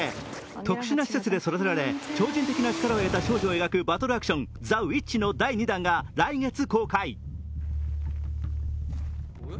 特殊な施設で育てられ、超人的な力を得た少女を描くバトルアクション「ＴＨＥＷＩＴＣＨ」の第２弾が来月公開。